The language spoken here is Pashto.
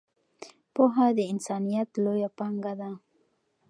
پوهه د انسانیت لویه پانګه ده.